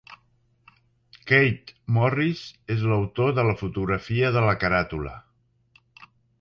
Keith Morris és l'autor de la fotografia de la caràtula.